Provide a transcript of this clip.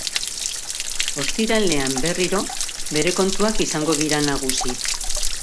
Ostiralean, berriro, bero kontuak izango dira nagusi.